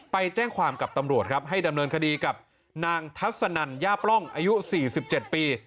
ไปแจ้งความกับตำรวจครับให้ดำเนินคดีกับนางทัศนันย่าปล่องอายุ๔๗ปี